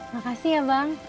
makasih ya bang